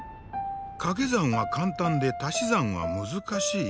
「かけ算は簡単でたし算は難しい」？